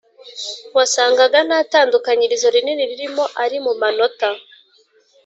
wasangaga nta tandukanyirizo rinini ririmo, ari mu manota